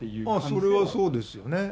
それはそうですよね。